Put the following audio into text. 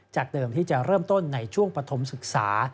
เดิมที่จะเริ่มต้นในช่วงปฐมศึกษา